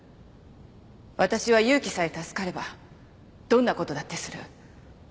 私は優希さえ助かればどんな事だってする。